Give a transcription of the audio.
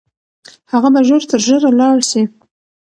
هغه به ژر تر ژره لاړ سي.